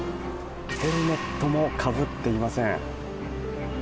ヘルメットもかぶっていません。